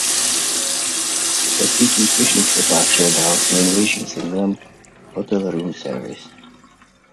Ve svých úspěšných stopách šel dál s nejnovějším singlem „Hotel Room Service“.